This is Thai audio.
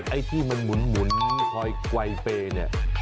ไอ้ที่มันหมุนคอยไวเปย์เนี่ย